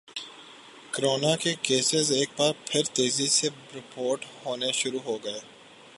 corona کے cases ایک بار پھر تیزی سے رپورٹ ہونا شروع ہوگئے